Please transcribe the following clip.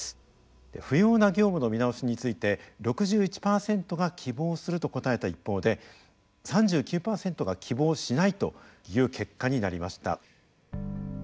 不要な業務の見直しについて６１％が希望すると答えた一方で３９％が希望しないという結果になりました。